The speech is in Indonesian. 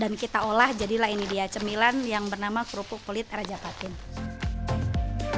dan kita olah jadilah ini dia cemilan yang bernama kerupuk kulit raja patin